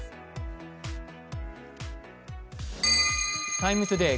「ＴＩＭＥ，ＴＯＤＡＹ」